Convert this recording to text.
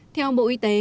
theo bộ y tế